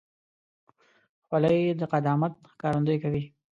خولۍ د قدامت ښکارندویي کوي.